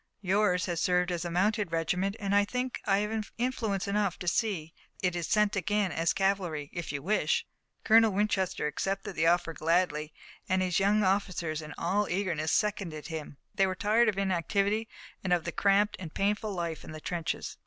Yours has served as a mounted regiment, and I think I have influence enough to see that it is sent again as cavalry, if you wish." Colonel Winchester accepted the offer gladly, and his young officers, in all eagerness, seconded him. They were tiring of inactivity, and of the cramped and painful life in the trenches.